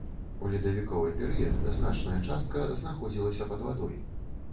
У ледавіковы перыяд значная частка знаходзілася пад вадой.